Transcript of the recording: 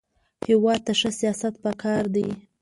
هېواد ته ښه سیاست پکار دی